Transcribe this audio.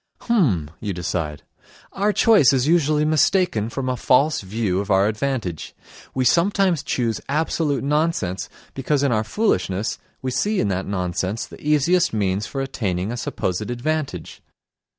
"H'm!" you decide. "Our choice is usually mistaken from a false view of our advantage. We sometimes choose absolute nonsense because in our foolishness we see in that nonsense the easiest means for attaining a supposed advantage.